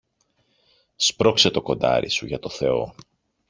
Σπρώξε το κοντάρι σου, για το Θεό